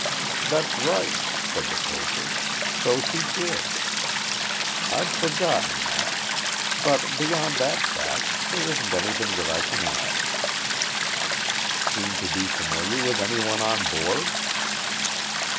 "That's right," said the purser, "so she did. I'd forgotten that. But, beyond that fact, there isn't anything that I can add." "Seem to be familiar with anyone on board?"